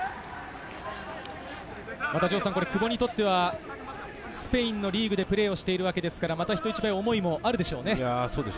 久保にとっては、スペインリーグでプレーしているわけですから、人一倍思いもあるでしょう。